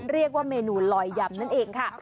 เรียกว่าเมนูลอยยำนั่นเองค่ะ